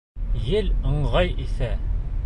Ел ыңғай иҫә.